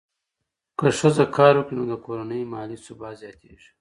که ښځه کار وکړي، نو د کورنۍ مالي ثبات زیاتېږي.